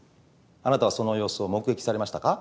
あなたはその様子を目撃されましたか？